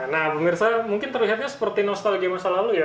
nah pemirsa mungkin terlihatnya seperti nostalgia masa lalu ya